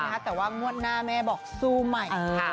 แล้วมีความนวดหน้าแม่บอกสู้ใหม่